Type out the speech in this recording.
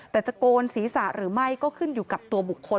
แต่จะโกนศีรษะหรือไม่ก็ขึ้นอยู่กับตัวบุคคล